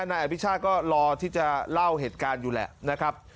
นายอภิชาติก็รอที่จะเล่าเหตุการณ์อยู่แหละนะครับ